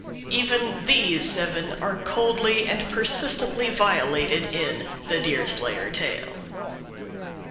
Even these seven are coldly and persistently violated in the Deerslayer tale.